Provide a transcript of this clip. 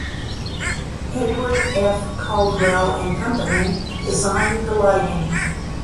Edward F. Caldwell and Company designed the lighting.